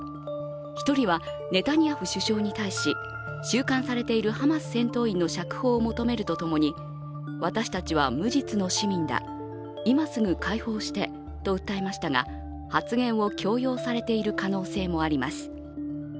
１人はネタニヤフ首相に対し、収監されているハマス戦闘員の釈放を求めるとともに私たちは無実の市民だ今すぐ解放してと訴えましたが発言を強要されている可能性もあります。